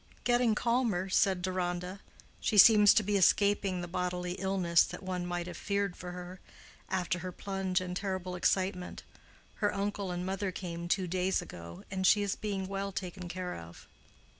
"Getting calmer," said Deronda. "She seems to be escaping the bodily illness that one might have feared for her, after her plunge and terrible excitement. Her uncle and mother came two days ago, and she is being well taken care of."